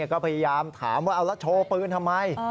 ก็พยายามถามว่าเอาแล้วโชว์ปืนทำไม